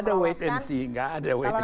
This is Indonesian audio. enggak ada wait and see enggak ada wait and see